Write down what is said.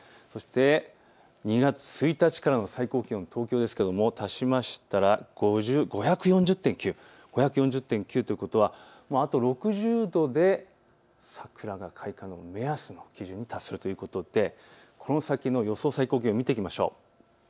そして２月１日からの最高気温、東京ですけれども足しましたら５４０．９、ということはあと６０度で桜の開花の目安の基準に達するということでこの先の予想最高気温を見ていきましょう。